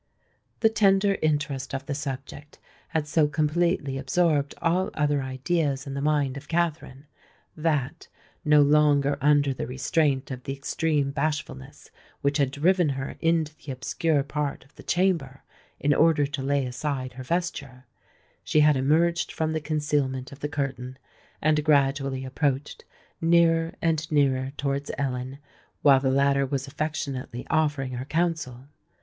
The tender interest of the subject had so completely absorbed all other ideas in the mind of Katherine, that—no longer under the restraint of the extreme bashfulness which had driven her into the obscure part of the chamber in order to lay aside her vesture—she had emerged from the concealment of the curtain, and gradually approached nearer and nearer towards Ellen, while the latter was affectionately offering her counsel.